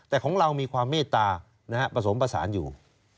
แต่ของเรามีความเมตตาผสมผสานอยู่